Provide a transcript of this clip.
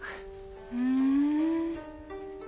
ふん。